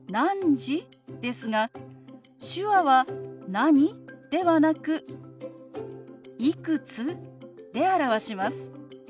ですが手話は「何？」ではなく「いくつ？」で表します。